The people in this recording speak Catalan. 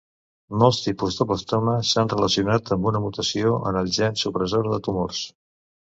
Molts tipus de blastoma s'han relacionat amb una mutació en els gens supressors de tumors.